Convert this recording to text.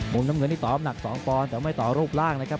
มุมน้ำเงินนี่ต่อน้ำหนัก๒ปอนด์แต่ไม่ต่อรูปร่างนะครับ